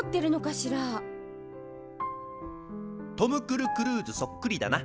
トム・クルクルーズそっくりだな。